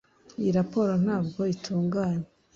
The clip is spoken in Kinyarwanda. Iyi raporo ntabwo itunganye